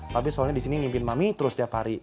papi soalnya disini ngimpin mami terus tiap hari